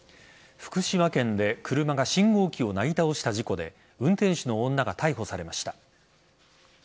福島県で車が信号機をなぎ倒した事故で運転手の女が逮捕されました。